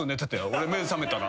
俺目覚めたら。